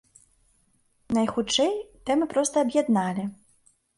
Найхутчэй, тэмы проста аб'ядналі.